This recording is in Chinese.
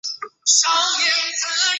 汉朝置吴房县。